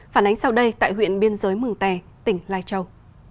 phản ánh sau đây tại huyện biên giới mừng tè tỉnh lai châu